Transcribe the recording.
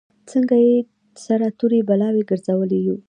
څنګه یې سره تورې بلاوې ګرځولي یو.